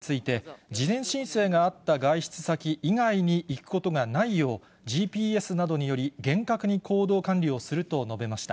橋本会長は、海外から来日するメディアについて、事前申請があった外出先以外に行くことがないよう、ＧＰＳなどにより厳格に行動管理をすると述べました。